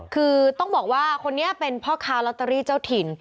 คือต้องบอกว่าคนนี้เป็นพ่อค้าลอตเตอรี่เจ้าถิ่น